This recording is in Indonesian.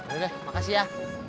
oke deh makasih ya